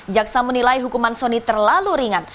jaksa menilai hukuman soni terlalu ringan